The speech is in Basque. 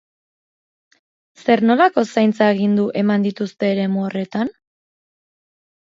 Zer nolako zaintza agindu eman dituzte eremu horretan?